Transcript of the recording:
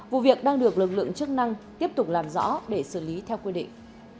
vụ việc đang được lực lượng chức năng tiếp tục làm rõ để xử lý theo quy định